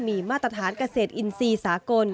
มีมาตรฐานเกษตรอินทรีย์สากล